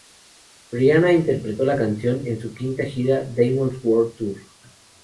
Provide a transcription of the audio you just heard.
Rihanna interpretó la canción en su quinta gira, Diamonds World Tour.